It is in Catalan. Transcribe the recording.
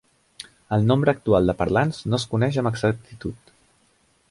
El nombre actual de parlants no es coneix amb exactitud.